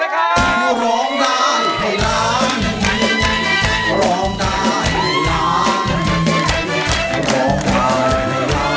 ถูกไหมชบชบ